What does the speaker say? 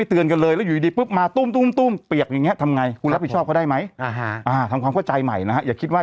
ต้องทำยังไงกันต่อมา